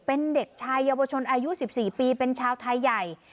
เป็นเด็กชายเยาวชนอายุ๑๔ปีเป็นชาวไทยใหญ่